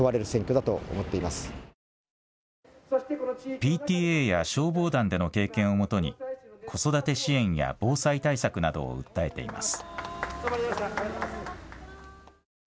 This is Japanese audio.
ＰＴＡや消防団での経験をもとに子育て支援や防災対策などを訴えています。